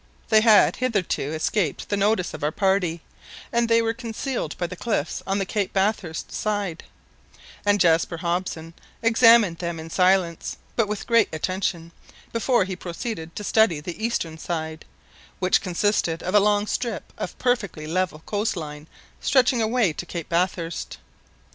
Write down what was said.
They bad hitherto escaped the notice of our party, as they were concealed by the cliffs on the Cape Bathurst side, and Jaspar Hobson examined them in silence, but with great attention, before he proceeded to study the eastern side, which consisted of a long strip of perfectly level coast line stretching away to Cape Bathurst.